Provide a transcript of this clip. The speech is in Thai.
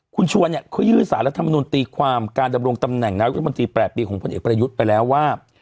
คุณชวนเนี่ยเขายื่นสารรัฐมนุนตีความการดำรงตำแหน่งนายุทธมนตรี๘ปีของพลเอกประยุทธ์ไปแล้วว่า